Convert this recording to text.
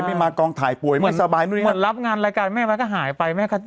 ไม่มากองถ่ายป่วยไม่สบายหมดรับงานรายการแม่ก็หายไปแม่ค่ะ